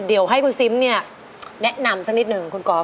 เดี๋ยวให้ซิมแนะนำสักนิดหนึ่งคุณกอล์ฟ